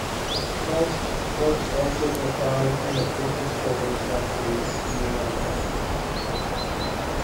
Faust was also profiled in a feature story in that day's New York Times.